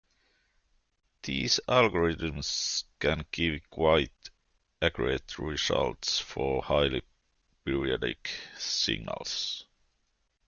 These algorithms can give quite accurate results for highly periodic signals.